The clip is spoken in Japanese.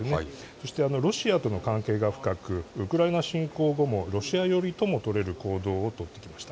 そしてロシアとの関係が深くウクライナ侵攻後もロシア寄りとも取れる行動を取ってきました。